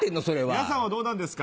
皆さんはどうなんですか？